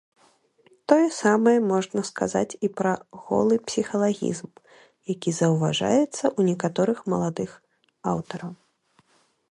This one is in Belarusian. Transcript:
Тое самае можна сказаць і пра голы псіхалагізм, які заўважаецца ў некаторых маладых аўтараў.